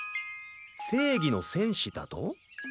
正義の戦士だと？